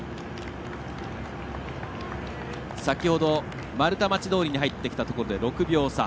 先ほど、丸太町通に入ってきたところで６秒差。